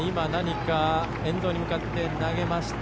沿道に向かって今、何か投げました。